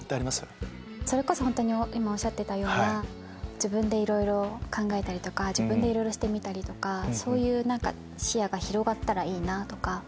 それこそホントに今おっしゃってたような自分でいろいろ考えたりとか自分でいろいろしてみたりとかそういう何か視野が広がったらいいなとか。